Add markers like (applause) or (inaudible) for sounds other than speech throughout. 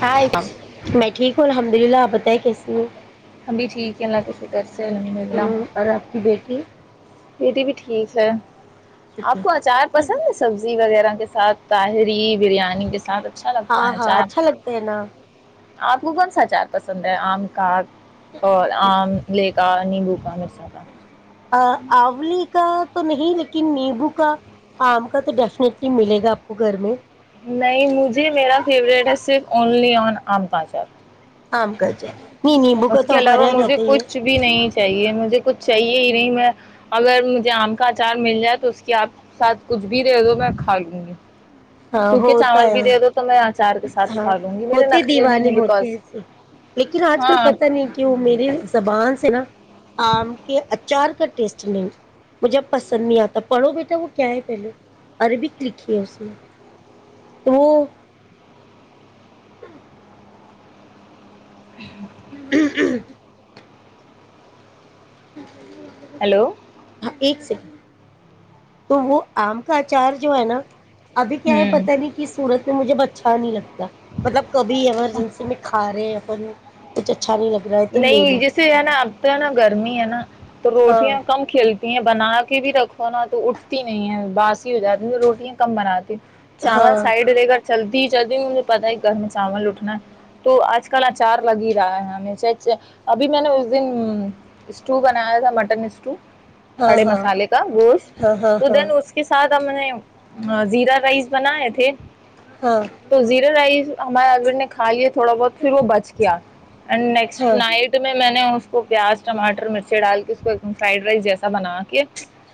ہائے میں ٹھیک ہوں الحمد للہ آپ بتائیں کیسے ج ہمبھی ٹھیک ہے اللہ کے فکر سے الحمد اللہ ہوں اور آپ کی بیٹی یہ بھی بھی ٹھیک ہے آپ کو اچار پسند ہے سبزی وغیرہ کے ساتھ طاہری بریانی کے ساتھ اچھا ہاں لگتا ہے ہاں اچار اچھا لگتا ہے نا آپ کو کون سا چار پسند ہے آم کا اور آم لے کر بکان (unintelligible) زاتا (unintelligible) آولی کا تو نہیں لیکن نیمبو کا آم کا تو ڈیفنیٹلی ملے گا آپ کو گھر میں نہیں مجھے میرا فیورٹ ہے صرف اونلی آن آم پاچر آم کر جے اس کے علاوہ مجھے کچھ بھی نہیں چاہیے مجھے کچھ چاہیے ہی نہیں میں اگر مجھے آم کا اچار مل جائے تو اس کی آپ ساتھ کچھ بھی دے دو میں کھا لوں گی ہاں سوکھے ہوتا چاول بھی ہے دے دو تو میں اچار کے ساتھ ہاں کھا لوں گی میرے ہوتے نخرے نہیں دیوانے ہے ہوتے بکوز ایسے لیکن آج کل ہاں پتہ نہیں کہ وہ میرے زبان (unintelligible) نا آم کے اچار کا ٹیسٹ نہیں مجھے پسند نہیں آتا پڑھو بیٹا وہ کیا ہے پہلے عربک لکھی ہے اس وہ (unintelligible) ہ (inaudible) (inaudible) جچ ہیلو (unintelligible) ہاں ایک سیکنڈ تو وہ آم کا اچار جو ہے نا ابھی کیا ہے ہوں پتا نہیں کہ سورت میں مجھے ب چھ نہیں لگتے (unintelligible) مطلب کبھی ایسا ایمرجنسی میں کھا رہے ہیں اپن کچھ اچھا نہیں لگ رہا ہے تو لے نہیں لو جیسے ہے نا اب تو ہے نا گرمی ہے نا تو ہاں روٹیاں کم کھیلتی بنا کے بھی رکھو نا تو اٹھتی نہیں ہے باس ہو جاتی تو روٹیاں کم بناتی ہ چاول ہاں سائڈ دے کر چلتی جب بھی مجھے پتا ہے گھر میں چاول اٹھنا ہے تو آج کل اچار لگ ہی رہا ہے ہمیں چ اچ ابھی میں نے اس دن اسٹو بنایا تھا مٹن اسٹو ہاں کھڑے ہاں مسالے کا گوشت ہاں تو ہاں دین اس کے ساتھ سمج (unintelligible) ہاں زیرا رائس بناائے تھے ہاں تو زیرا رائس ہمارے البر نے کھا لیے تھوڑا بہت پھر وہ بچ گیا ہاں (unintelligible) نائٹ میں میں نے (unintelligible) اس کو پیاز ٹاٹر مرچ ڈال کے اس کو ایکم فرائڈ رائس جیسا بنا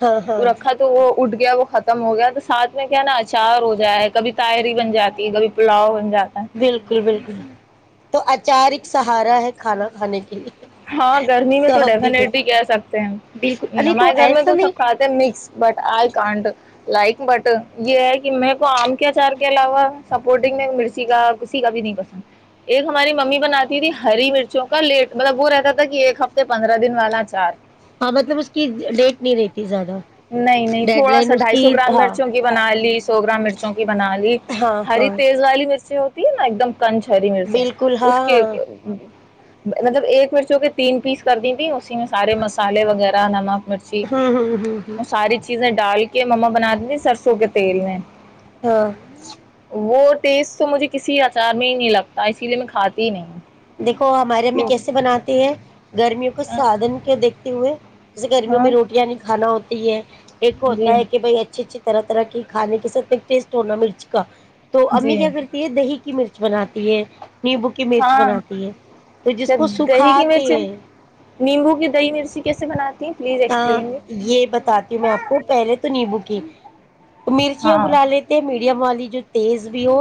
ہاں ہاں ہاں رکھا تو وہ اٹ (unintelligible) وہ ختم ہو گیا تو ساتھ میں کیا ہے نا اچار ہو جا ہے کبھی تائری بن جاتی ہے کبھی پلاؤ بن (unintelligible) بالکل بالکل (unintelligible) تو آچارک سہارا ہے کھانا کھانے کے لیے (unintelligible) ہاں گرمی میں تو صاحب دیکھو ڈیفینٹلی کہہ سکتے ہیں بالکل ارے ہمارے گھر میں ایسا تو سب نہیں کھاتے ہیں mix but I can't (unintelligible) like but یہ ہے کہ میں کو آم (unintelligible) اچار کے علاوہ سپورٹنگ میں مرچی کا کسی کا بھی نہیں پسند (unintelligible) ایک ہماری ممی بناتی تھی ہری مرچوں کا لیٹ (unintelligible) مطب وہ رہا (unintelligible) ہاں مطلب اس کی ڈیٹ نہیں رہتی زیادہ (unintelligible) نہیں نہیں ڈیڈ تھوڑا لائن سا اس ڈھائی سو کی گرام ہاں مرچوں کی بنا لی سو گرام مرچوں کی بنا لی ہاں ہری ہاں تیز والی (unintelligible) سے ہوتی ہے نا ایک دم (unintelligible) کنچری مرچیں بالکل اس کے ہاں (unintelligible) مطلب ایک مرچوں کے تین پیس کر دی تیں اسی میں سارے مسالے وغیرہ نمک (unintelligible) ہاں ہاں ہاں (unintelligible) وہ ساری چیزیں (unintelligible) ڈال کے مما بنا دیی سرسوں کے تیل میں (unintelligible) ہاں (unintelligible) وہ ٹیسٹ تو مجھے کسی آچار میں ہی نہیں لگتا اسی لیے میں کھاتی ہی نہیں (unintelligible) دیکھو ہماری امی کیسے بناتے ہیں گرمیوں کو (unintelligible) کچ سادھن کی دیکھتے (unintelligible) اے (unintelligible) جیسےرمیوں ہاں میں روٹیاں نہیں کھانا ہو (unintelligible) یہ ہے (unintelligible) ایک جی ہوتا ہے کہ بھائی اچھے اچھے (unintelligible) طرح طرح کے کھانے کے ساتھ ایک ٹیسٹ ہونا مرچ کا (unintelligible) تو جی امی کیا کرتی ہے دہی (unintelligible) کی مرچ بناتی ہے نی بک کی مرچ ہاں بنا تو جس اچھا کو دہی کی سکھاتے مرچ ہیں (unintelligible) نیمبو کے دہی مرچی کیسے بناتے ہ یہ بتاتی ہوں میں آپ کو پہلے تو نیبو اسکپ (unintelligible) مرچیا ہاں بلا لےتے م والی جو تیز بھی ہو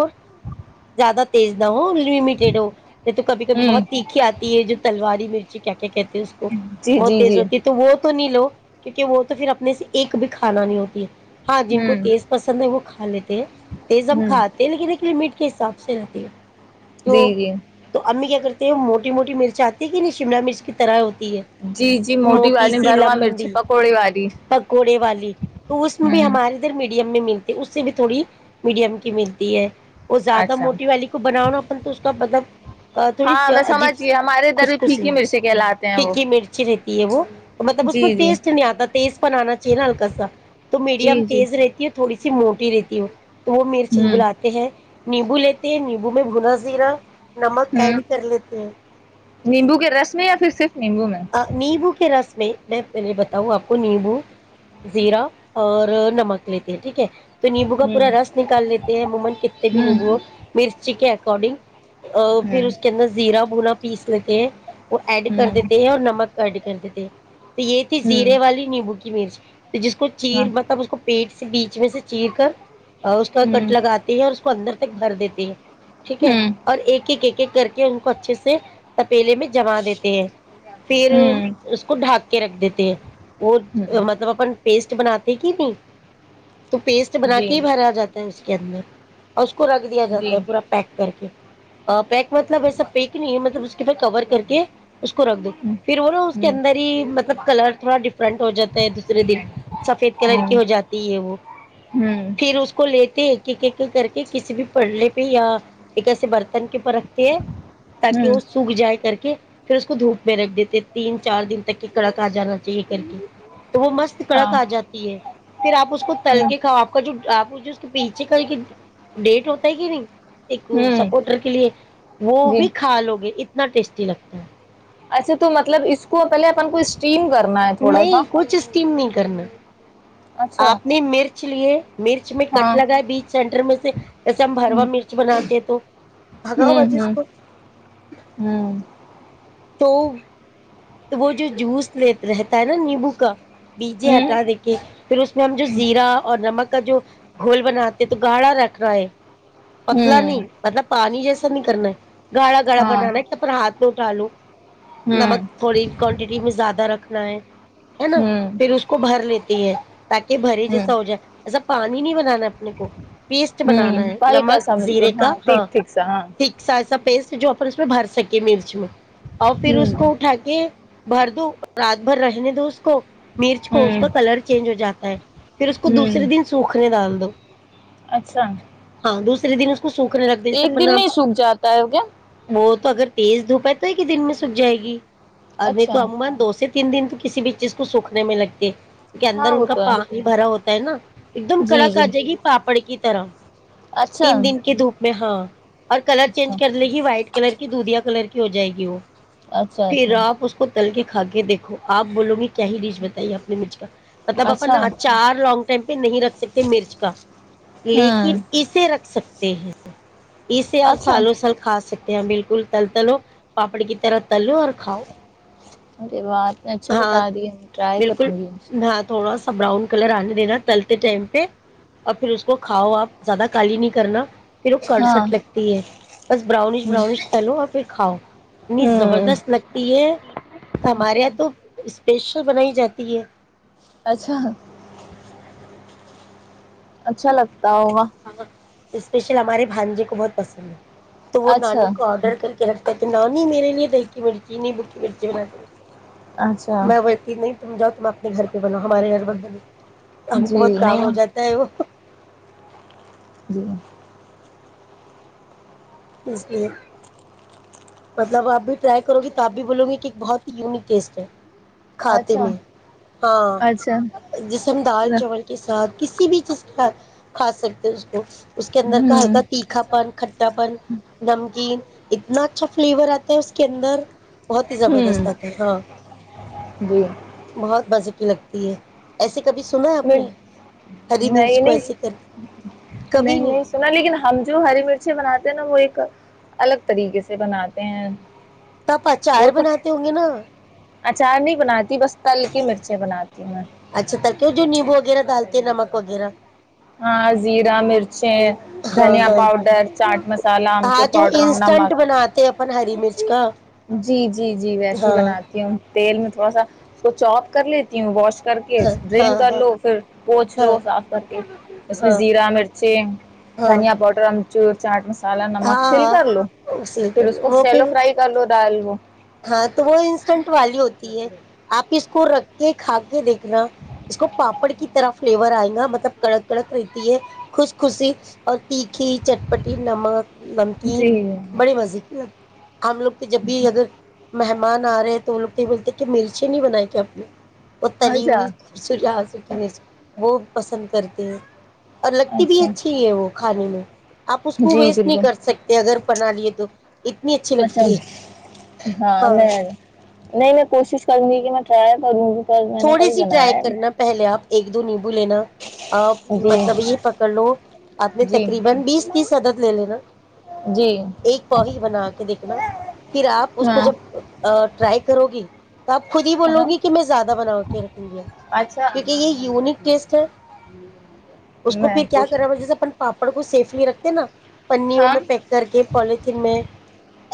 زیادہ تیز نہ ہو لمٹیڈ ہو یہ تو کبھی کبھی ہوں بہت تیکھی آتی ہے جو تلواری مرچ کیا کیا کہتی اس کو جی بہت جی تیز جی ہوتی ہے تو وہ تو نہیں لو کیونکہ وہ تو پھر اپنے سے ایک بھی کھانا نہیں ہوتی ہاں جن کو ہوں تیز پسند ہے وہ کھا لیتے ہیں تیز ہم ہوں کھاتے ہیں لیکن ایک میٹ کے حساب سے رہتی ہے تو جی جی تو امی کیا کرتے موٹی موٹی مرچ آتی کہ نہیں شملا مرچ کی طرح ہوتی جی جی موٹی بات پیسی لمبی پکوڑے والی تو اس میں بھی ہوں ہمارے ادھر میڈیا ملتی اس سے بھی تھوڑی میڈیم کی ملتی ہے وہ زیادہ اچھا موٹی والی کو بناؤ نا اپن تو اس کا مطلب تھوڑی ہاں میں عجیب سمجھ گئی ہمارے ادھر بھی خوشکوش پھیکی مرچیں کہلاتے ہیں وہ یکی مرچی رہتی ہے وہ مطلب اس جی میں جی ٹیسٹ نہیں آتا تیز بنانا چاہیےا ہلکا سا تو جی میڈیم جی تیز رہتی ہے تھوڑی سی موٹی رہتی وہ تو وہ میرچھل ہوں بلاتے ہیں نیبو لیتے ہیں نیبو میں بھنا زیرا ہوں نیمبو کے رس میں یا پھر صرف نیمبو میں نیمبو کے رس میں میں پہلے بتاؤں آپ کو نیمبو زیرا اور نمک لیتی ہے ٹھیک ہے نیبو کا پورا ہوں رس نکال لیتے ہیں عموما کتنے بھی ہوں نیمبو مرچی کے ریکارڈنگ (unintelligible) ا پھر ہوں اس کےدر زیرہ بونا پیس لیتے وہ ایڈ کر ہوں دیتے ہیں اور نمک گڈی کر دی تھ تو یہ تھی ہوں زیرے والی نیبوک کی مز جس کو ہاں کھیر مطلب اس کو پیٹ سے بیچ میں سے چیر کر اور اس کا کٹ ہوں لگاتی ہے اور اس کو اندر تک بھر دیتی ہے ٹھیک ہے ہوں اور ایک ایک ایک ایک کر کے ان کو اچھے سے تپیلے میں جما دیتے ہیں پھر ہوں اس ر کے رکھ دیتے ہیں وہ ہوں مطلب اپن پیسٹ بناتے کی نہیں تو پیسٹ بنا جی کے ہی بھرا آ جاتا ہے اس (inaudible) اس کو رکھ دیا جا جی ہے پورا پیک کر کے پیک مطلب ایسا پیک نہیں ہے مطلب اس کے پ کور کر کے اس کو رکھ دو پھر وہ نا ہاں اس کے اندر مطلب کر تھوڑا ڈف فرنٹ ہو جاتا ہے دوسرے دن سفید کلر کی ہو جاتی ہے وہ ہوں پھر اس کو ل ایک ایک کر کے کسی بھی پڑے پہ یا ایک ایسے برتن کے پرکھ تاک وہ سگ جائے کر کے پھر اس کو دھوپ میں رکھ دیتے تین چار دن ت کی کڑا ک آ جانا چاہیے کر کے تو وہ مست کڑک آ جاتی ہے پھر آپ اس کو تل کے کاؤ آپ کا جو آپ مجھے اس کے پیچھے کا کے ڈیٹ ہوتا ہے کہ نہیں ایک سپورٹر کے لیے وہ جی بھی کالو گئے انے کتنا ٹیسٹی لگتا ہے اچھا تو مطلب اس کو پہلے اپن کو اسٹیم کرنا ہے تھوڑا سا نہیں کچھ اسکم نہیں کرن اچھا آپ نے مرچ چ لیے مرچ میں کٹ ہاں لگا ہے بیچ سینٹر میں سے جیسے ہم ہروا مرچ بناتے ہیں تو بھگاؤ ہوں بس اس ہوں کو ہوں (unintelligible) تو (unintelligible) تو وہ جو جوس لی رہتا ہے نا نیمبو کا بیجے ہوں ہٹا دے کے پھر اس میں ہم جو زیرا اور نمک کا جو گھول بناتے ہیں تو گاڑھا رکھ رہا ہے (unintelligible) پتلا نہیں ہوں مطلب پانی جیسے ایسا نہیں کرنا ہے (unintelligible) گاڑا گاڑا ہاں بنانا ہے اپھر ہات ن (unintelligible) چالو (unintelligible) ہوں (unintelligible) تھوڑی کوانٹیٹی میں زیادہ رکھنا ہے نا ہوں پھر اس کو بھر لیتی ہے تاکہ بھرے ہوں جیسا ہو جائے (unintelligible) ایا پانی نہیں بنانا (unintelligible) اپنے کو پیسٹ بنانا ہوں ہے ہلکا سا نمک زیرے بالکل کا ہاں ٹھیک ٹھیک سا ہاں تھک سز (unintelligible) ا پیسٹ جو اپ اس میں بھر سکے مرچ میں اور پھر اس ہوں کو اٹھا کے بھر دو رات بھر رہنے دو اس کو (unintelligible) مرچ کو اس ہوں کا کلر چینج ہو جاتا ہے پھر اس کو ہوں دوسے دن سوکھنے ڈال دو اچھا ہاں دوس سرین (unintelligible) ایک دن میں سوکھ جاتا ہے کیا وہ تو اگر تیز دھوپ ہے تو ایک ہی دن میں سکھ جائے گی (unintelligible) ا نہیں تو اچھا عمان دو سے تین دن تو کسی بھی چیز کو سوکھنے میں لگتی (unintelligible) کے اندر ہاں ان وہ کا تو ہے پانی بھرا ہوتا ہے نا ایک دم جی کڑک جی آ جائے گی پاپڑ کی ترم (unintelligible) اچھا تین دن کی دھوپ میں ہاں (unintelligible) ہ (unintelligible) اور کلر اچھا چینج کرے گی وائٹ کلر کی دوددھیا کلر کی (unintelligible) کی ہو جائے گی وہ (unintelligible) اچھا پھر اچھا (unintelligible) آپ اس کو تل کے کھ کے دیکھو آپ (unintelligible) بولو گی کیا ہی ڈیچ بتائیے آپ (unintelligible) نمیچ کا (unintelligible) مطلب اچھا اپنا چار لونگ نہیں رکھ سکتے مرچ کا لیکن ہاں اسے رکھ سکتے ت اسے آپ اچھا سال و سال کھا سکتے بالکل تل تلو پاپڑ کی طرح تلو اور کھاؤ ارے بات نے اچھا ہاں بتا دیا ٹرائی بالکل کروں گی ہاں تھوڑا براؤن کلر آنے دینا تلتے ٹائم پہ اور پھر اس کو کھاؤ آپ زیادہ کالی نہیں کرنا پھر وہ کر ہاں سٹ لگتی ہے بس براؤنش ہوں براؤنش کرلو اور پھر کھاؤ اتنی ہوں زبردست لگتی ہے ہمارے اچھا یہاں تو اسپیشل بنائی جاتی ہے اچھا اچھا لگتا ہوگا اسپیشل ہمارے بھانجے کو بہت پسند ہے تو وہ اچھا نانی کو آرڈر کر کے رکھتا تھا نانی میرے لیے دیکھ بکی می بکی پی باتی اچھا میں بتی نہیں تم جا تم اپنے گھر پہ بنؤ ہمارے گھر ب بنو ہم کو جی بہت کام ہو نہیں جاتا ہے وہ جی اس لیے مطلب آپ بھی ٹرائی کرو گی تو آپ بھی بولو گے کہ ایک بہت ہی یونک ٹیسٹ ہے کھاتے اچھا میں ہاں اچھا جیسے ہم دال ہوں چاول کے ساتھ کسی بھی چیز کے ساتھ کھا سکتے ہے اس کو اس کے اندر کا ہلکا تیکھا پن کھٹا پن نمکین اتنا اچھا فلیور آتا ہے اس کے اندر بہت ہی زبردست ہوں آتا ہے ہاں جی بہت مزے لگتی ہے ایسے کبھی سنا ہے آپ نے نہیں ہری مرچ نہیں کو نہیں ایسے کر نہیں سنا لیکن ہم جو ہری مرچی بناتے ہیں نا وہ ایک الگ طریقے سے بناتے ہیں تو آپ اچار وہ تو بناتے ہوں گے نا اچار نہیں بناتی بس تل کے مرچی بناتی ہوں اچھا ترکیب جو نیمبو وغیرہ ڈالتے ہیں نمک وغیرہ ہاں زیرا مرچیں ہاں دھنیا ہاں پاؤڈر چاٹ مسالہ امچور ہاں پاؤڈر اور نمک اچ کاا (unintelligible) جی جی جی ویسی ہی بناتی ہوں تیل میں تھوڑا سا اس کو چو کر لیتی ہوں واش کر کے ہاں ڈرین ہاں کر ہاں لو پھر پوچھ ہاں لو صاف کر کے اس میں ہاں زیرہ مرچی ہاں دھنیا پؤڈر امچور چاٹ مسالا نمک ہاں سل ہاں کر لو اسی کے پھر اس کو وہ شیلو پھر فرائی ڈال لو ہاں تو وہ انسٹنٹ والی ہوتی ہے آپ اس کو رکھ کے کھا کے دیکھنا اس کو پاپڑ کی طرح فلیور آئے گا مطلب کڑک کڑک رہتی ہے خوش خوشی اور تیکھی چٹپٹی نمک نمکین جی بڑے مزے کی لگتی ہم لوگ تو جب بھی اگر مہمان آ رہے ہیں تو وہ لوگ بولتے کہ مرچی نہیں بنائی کیا آپ نے (inaudible) اچھا وہ پسند کرتے ہیں اور لگتی بھی اچھا اچھی ہی ہے وہ کھانے میں آپ اس کو جی ویسٹ نہیں کر بالکل سکتے اگر بنا لیے تو اتنی اچھی اچھا لگتی ہے ہاں میں نہیں میں کوشش کروں (unintelligible) ج کہ میں ریا کروں گی (unintelligible) تھوڑی کبھی سی بنایا ٹرائی کرنا ہے پہلے آپ ایک دون (unintelligible) جی جی جی ہاں (unintelligible) توب خود ہی بولو ہاں گی کہ میں زیادہ (unintelligible) اک رکھوں گیا اچھا کیونکہ یہ یو (unintelligible) کیس ہے (unintelligible) اس کو میں پھر کیا کرا م کوشش جی سے اپن پاپا ڑ کو سیفلی رکھتے نا (unintelligible) پنوں ہاں میں پیک کر کے پلیتھین میں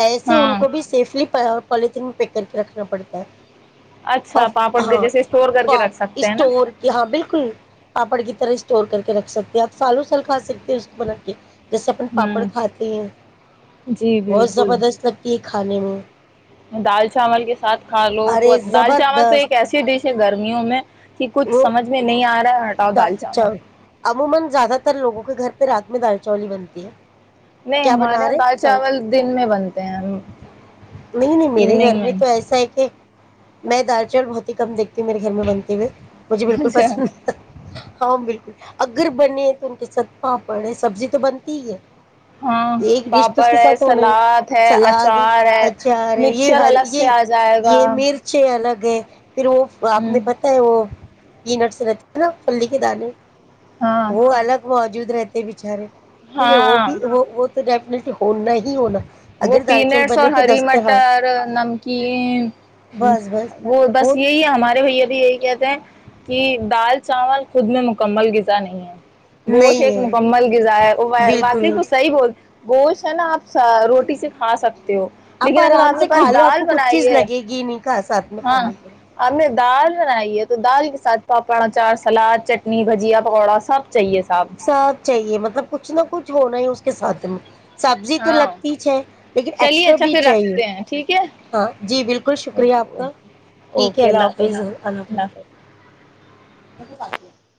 ایسے ان ہاں کو بھی سیفلی (unintelligible) پالتھین پیک کر کے رکھنا پڑتا ہے (unintelligible) اور اچھا پاپ (unintelligible) ہاں اور اسٹور کی ہاں بالکل پاپڑ کی طرح اسٹور کر کے رکھ سکتے ہیں آپ سالو سل کھا سکتے ہیں اس کو بنا کے جیسے اپن پاپڑ ہوں کھاتے ہیں جی بہت بالکل زبردست لگتی ہے کھانے میں دال چاول کے ساتھ کھا لو تو ارے دال چاول تو ایک زبردست ایسا ایے جیسے گرمیوں میں کہ کچھ سمجھ میں نہیں آ رہا ہے ہٹاؤ (inaudible) دال چاول ہ گھر پہ رات میں دال چالی بنتی ہے نہیں کیا ہمارے بنا یہاں رہے دال چاول دن میں بنتے ہیں ہم نہیں نہیں میرے گھر ایوننگ میں تو ایسا ہے کہ میں دال چاول بہت ہی کم دیکتی ہوں میرے گھر میں بنتے ہوئے مجھے بالکل اچھا پسند ہاں بالکل اگر بنے تو ان کے ساتھ پاپڑ ہے سبزی تو بنتی ہی ہے ہاں ایک ڈش تو اس پاپڑ کے ہے ساتھ ہونا سلاد ہے سلاد اچار ہے اچار ہے یہ مکچر ہر الگ سے آ جائے گا گ (unintelligible) پھر وہ آپ ہ نے پت ہے وہ یہ نٹسر (unintelligible) نا پھلی کے دانے ہاں وہ الگ موجود رہتے بچارے (unintelligible) ٹھیک ہے وہ بھی ہاں وہ وہ (unintelligible) تو ڈیفنیٹلی ہونا ہی ہونا وہ اگر دال چاول پینٹس بنے اور تو ہری دس طرح مٹر نمکین بس بس وہ بس یہی ہے ہمارے بھیا بھی یہی کہتے ہیں کہ دال چاول خود میں مکمل غذا نہیں ہے گوت نہیں ایک ہے مکمل غذا ہے وہ واقعی بالکل کچھ صحیح بول گوشن آپس آپ اگر آرام نے سے کھا پاس لو آپ دال کو کچھ بنائی چیز ہے لگے گی نہیں کہا ساتھ میں ہاں کھانے کو ہم نے دال بنائی ہے تو دال کے ساتھ پاپڑ اچار سلاد چٹنی بھجیا پکوڑا سب چاہیے صاحب ساتھ چاہیے مطلب کچھ نہ کچھ ہونا ہی اس کے ساتھ میں (unintelligible) سبزی تو ہاں لگتیچ ہے لیکن چلیے ایکسٹرا اچھا بھی پھر چاہیے رکھتے ہیں ٹھیک ہے ہاں جی بالکل شکریہ آپ کا ٹھیک ہے اللہ حافظ اللہ حاف میک بس ہے (unintelligible)